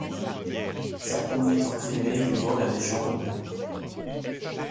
Sa conduite en Crimée lui vaut la Légion d'honneur.